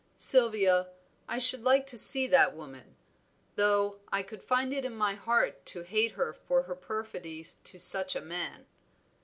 Sylvia, I should like to see that woman; though I could find it in my heart to hate her for her perfidy to such a man."